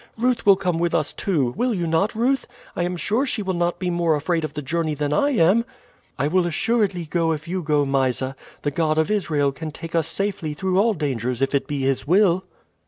Ruth will come with us too will you not, Ruth? I am sure she will not be more afraid of the journey than I am." "I will assuredly go if you go, Mysa. The God of Israel can take us safely through all dangers if it be his will."